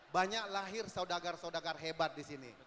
banyak lahir saudagar saudagar hebat disini